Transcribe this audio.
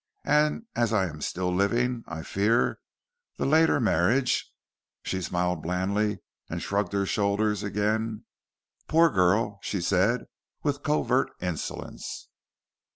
And, as I am still living, I fear the later marriage " She smiled blandly and shrugged her shoulders again. "Poor girl!" she said with covert insolence.